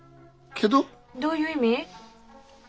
どういう意味？